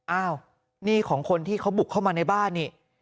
อ้าวนี่ของคนที่เขาบุกเข้ามาในบ้านนี่